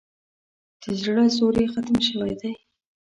د زړه زور یې ختم شوی دی.